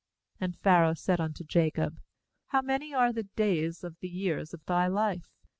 8And Pharaoh said unto Jacob: 'How many are the days of the years of thy life?'